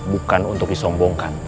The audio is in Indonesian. bukan untuk disombongkan